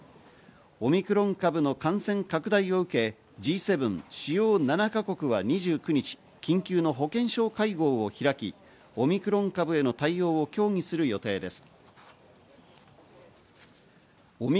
オミクロン株の感染拡大を受け、Ｇ７＝主要７か国は２９日、緊急の保険相会合を開き、オミクロン株への対応を協議する予定です。